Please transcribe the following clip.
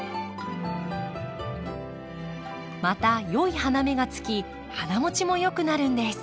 また良い花芽がつき花もちもよくなるんです。